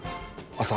朝。